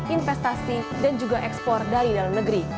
investasi dan juga ekspor dari dalam negeri